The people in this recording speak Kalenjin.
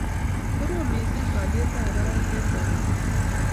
Korom mising' alyet ab barak eng' kabotik